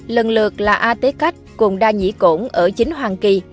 lần lượt là a tế cách cùng đa nhĩ cổn ở chính hoàng kỳ